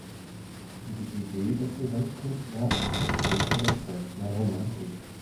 Die Idee des Gesamtkunstwerks entsteht in der Zeit der Romantik.